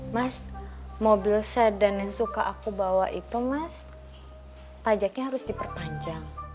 mas mobil sedan yang suka aku bawa itu mas pajaknya harus diperpanjang